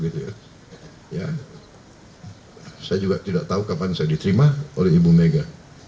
saya juga tidak tahu kapan saya diterima oleh ibu mega